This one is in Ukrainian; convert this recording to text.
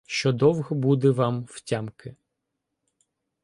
Що довго буде вам втямки.